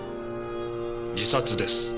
自殺です。